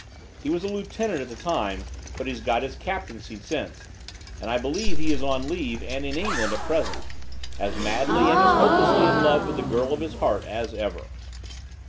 He was a lieutenant at the time, but he's got his captaincy since, and I believe is on leave and in England at present as madly and as hopelessly in love with the girl of his heart as ever."